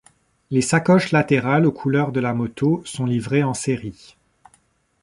Les sacoches latérales aux couleurs de la moto sont livrées en série.